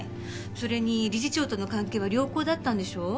それに理事長との関係は良好だったんでしょ？